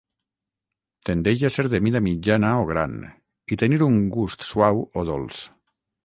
Tendeix a ser de mida mitjana o gran i tenir un gust suau o dolç.